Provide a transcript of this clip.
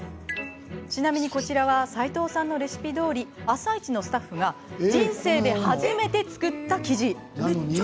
ちなみにこちらは齋藤さんのレシピどおり「あさイチ」のスタッフが人生で初めて作った生地。